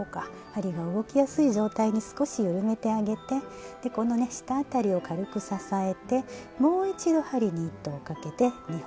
針が動きやすい状態に少し緩めてあげてでこの下辺りを軽く支えてもう一度針に糸をかけて２本とも抜きます。